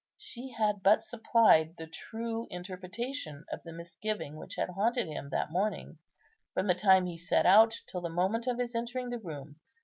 She had but supplied the true interpretation of the misgiving which had haunted him that morning, from the time he set out till the moment of his entering the room.